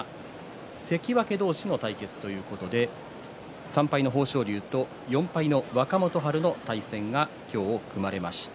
関脇同士の対決ということで３敗の豊昇龍と４敗の若元春の対戦が今日組まれました。